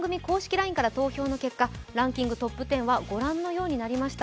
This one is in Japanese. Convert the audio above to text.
ＬＩＮＥから投票の結果、ランキングＴＯＰ１０はご覧のようになりました。